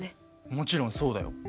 もちろんそうだよ。